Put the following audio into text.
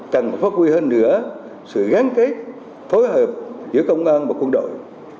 cần phát huy hơn nữa sự gắn kết phối hợp giữa công an và quân đội